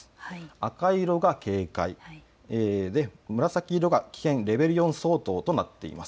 赤色が警戒、紫色が危険レベル４相当となっています。